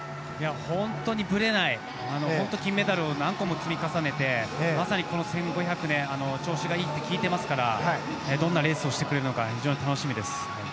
本当にぶれない金メダルを何個も積み重ねてまさにこの１５００ｍで調子がいいって聞いてますからどんなレースをしてくれるのか非常に楽しみです。